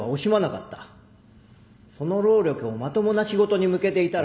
その労力をまともな仕事に向けていたら。